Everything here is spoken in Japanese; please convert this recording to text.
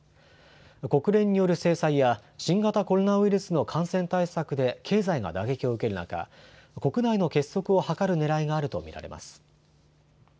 国連による制裁や新型コロナウイルスの感染対策で経済が打撃を受ける中、国内の結束を図るねらいがあると見られます。